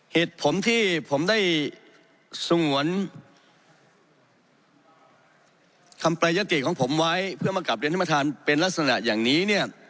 เหตุผลที่ผมได้สงวนคำประยะติของผมไว้เพื่อมากลับเรียนท่านประธานเป็นลักษณะอย่างนี้เนี่ย